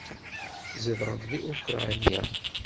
Zedɣent deg Ukṛanya.